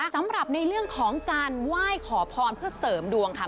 สำหรับในเรื่องของการไหว้ขอพรเพื่อเสริมดวงค่ะ